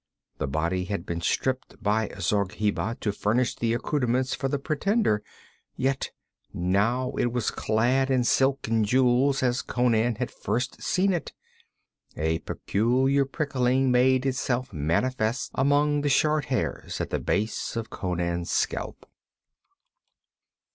The body had been stripped by Zargheba to furnish the accouterments for the pretender. Yet now it was clad in silk and jewels as Conan had first seen it. A peculiar prickling made itself manifest among the short hairs at the base of Conan's scalp.